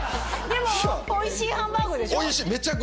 でもおいしいハンバーグでしょ？